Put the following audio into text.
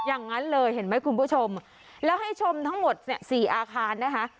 อย่างนั้นเลยเห็นไหมคุณผู้ชมแล้วให้ชมทั้งหมดเนี่ยสี่อาคารนะคะ